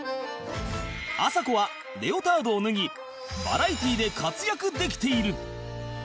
あさこはレオタードを脱ぎバラエティで活躍できている